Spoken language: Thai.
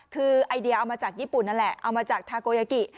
คือไอเดียเอามาจากญี่ปุ่นนั่นแหละเอามาจากทาโกยากิ